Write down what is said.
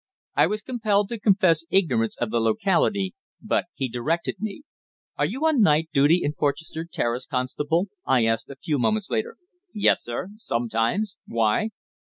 I was compelled to confess ignorance of the locality, but he directed me. "Are you on night duty in Porchester Terrace, constable?" I asked a few moments later. "Yes, sir, sometimes. Why?"